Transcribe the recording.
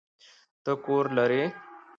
ته کور لری؟